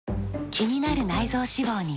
気になる内臓脂肪に。